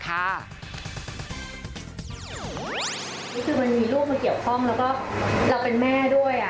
คือมันมีลูกมาเกี่ยวข้องแล้วก็เราเป็นแม่ด้วย